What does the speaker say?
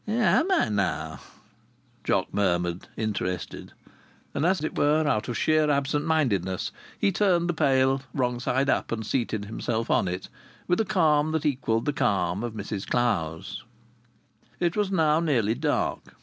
"Am I now?" Jock murmured, interested; and, as it were out of sheer absent mindedness, he turned the pail wrong side up, and seated himself on it with a calm that equalled the calm of Mrs Clowes. It was now nearly dark.